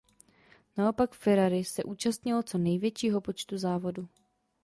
Naopak Ferrari se účastnilo co největšího počtu závodu.